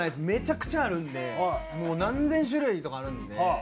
めちゃくちゃあるんでもう何千種類とかあるんで。